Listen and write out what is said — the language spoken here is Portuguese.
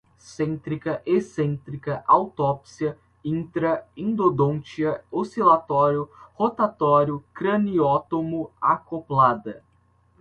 centrica, ecentrica, autopsia, intra, endodontia, oscilatório, rotatório, craniótomo, acoplada